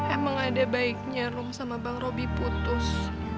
emang ada baiknya rum sama bang robi putus